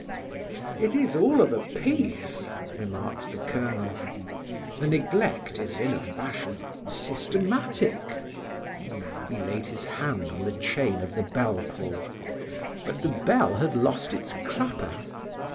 "It is all of a piece," remarked the Colonel. "The neglect is in a fashion systematic." He laid his hand on the chain of the bell pull, but the bell had lost its clapper.